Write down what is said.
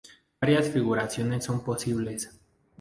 Varias configuraciones son posibles.